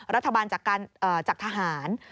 รัฐบาลจากทหาร